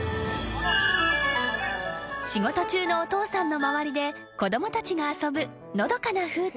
［仕事中のお父さんの周りで子供たちが遊ぶのどかな風景］